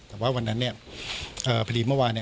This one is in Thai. แต่ว่าวันนั้นเนี้ยเอ่อพอดีเมื่อวานเนี้ย